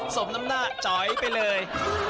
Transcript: สมน้ำหน้าจอยไปเลย